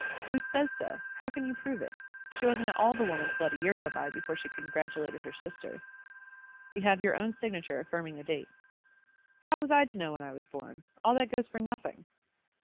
"Who says so? How can you prove it? She wasn't at all the woman to let a year go by before she congratulated her sister." "We have your own signature affirming the date." "How was I to know when I was born? All that goes for nothing."